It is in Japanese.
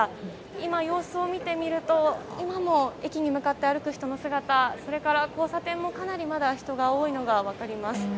今、様子を見てみると今も駅に向かって歩く人の姿それから、交差点もかなりまだ人が多いのが分かります。